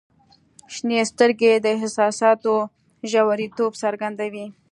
• شنې سترګې د احساساتو ژوریتوب څرګندوي.